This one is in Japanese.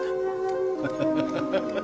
ハハハハ！